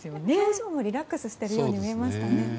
表情もリラックスしているように見えましたね。